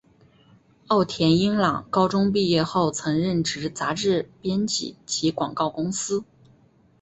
奥田英朗高中毕业后曾任职杂志编辑及广告公司。